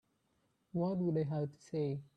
What would I have to say?